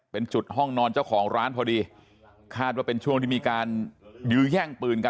เป็นจุดห้องนอนเจ้าของร้านพอดีคาดว่าเป็นช่วงที่มีการยื้อแย่งปืนกัน